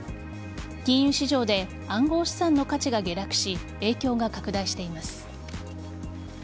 金融市場で暗号資産の価値が下落し影響が拡大しています。